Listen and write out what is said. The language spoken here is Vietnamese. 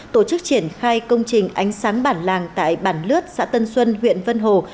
tổ chức triển khai công trình ánh sáng bản làng tại bản lướt xã tân xuân huyện vân hồ